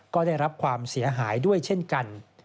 ก็ได้รับความเสียหายด้วยเช่นกัน